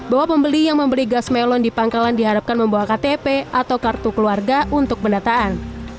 bahwa pembeli yang membeli gas melon di pangkalan diharapkan membawa ktp atau kartu keluarga untuk pendataan